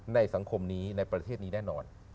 สังคมนี้ในประเทศนี้แน่นอน